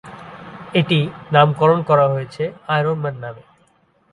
এটি নামকরণ করা হয়েছে 'আয়রন ম্যান' নামে।